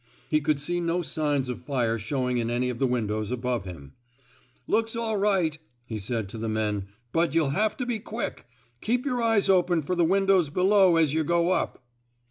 He could see no signs of fire showing in any of the windows above him. Looks all right,'' he said to the men. '* But yuh'll have to be quick. Keep yer eyes open fer the windows below as yuh go up.''